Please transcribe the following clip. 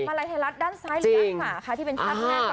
มาลัยไทยรัฐด้านซ้ายเหลี่ยศาค่ะที่เป็นชั้นแมน